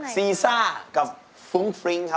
ซีซ่ากับฟูงฟริ้งค่ะ